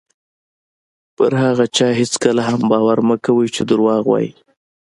په هغه چا هېڅکله هم باور مه کوئ چې دروغ وایي.